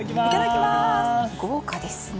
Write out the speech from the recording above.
豪華ですね。